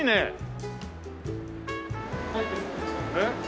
えっ？